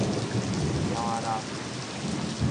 鳥仔籠